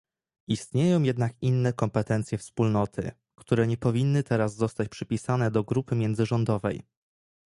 Istnieją jednak inne kompetencje Wspólnoty, które nie powinny teraz zostać przypisane do grupy międzyrządowej